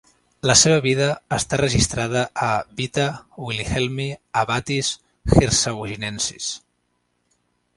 La seva vida està registrada a "Vita Willihelmi abbatis Hirsaugiensis".